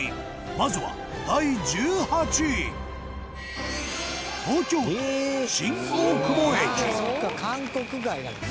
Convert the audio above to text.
まずは、第１８位田中：そうか、韓国街だから。